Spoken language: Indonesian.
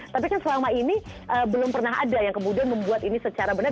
tapi kan selama ini belum pernah ada yang kemudian membuat ini secara benar